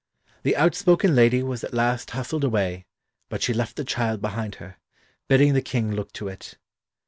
The outspoken lady was at last hustled away, but she left the child behind her, bidding the King look to it.